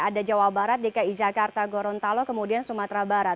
ada jawa barat dki jakarta gorontalo kemudian sumatera barat